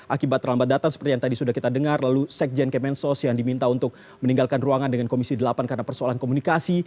akibat terlambat datang seperti yang tadi sudah kita dengar lalu sekjen kemensos yang diminta untuk meninggalkan ruangan dengan komisi delapan karena persoalan komunikasi